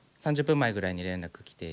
３０分前ぐらいに連絡来て。